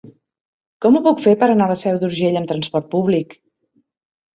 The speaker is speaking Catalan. Com ho puc fer per anar a la Seu d'Urgell amb trasport públic?